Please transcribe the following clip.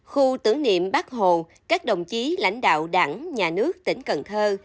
khu tưởng niệm bắc hồ các đồng chí lãnh đạo đảng nhà nước tỉnh cần thơ